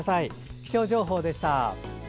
気象情報でした。